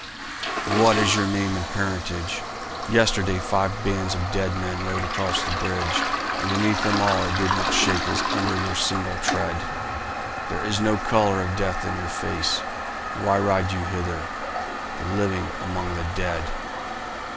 "What is your name and parentage? Yesterday five bands of dead men rode across the bridge, and beneath them all it did not shake as under your single tread. There is no colour of death in your face. Why ride you hither, the living among the dead?"